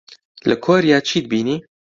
لە کۆریا چیت بینی؟